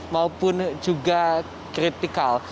maupun juga kritikal